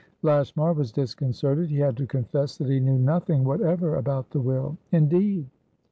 Lashmar was disconcerted. He had to confess that he knew nothing whatever about the will. "Indeed?